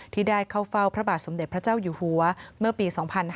ที่ได้เข้าเฝ้าพระบาทสมเด็จพระเจ้าอยู่หัวเมื่อปี๒๕๕๙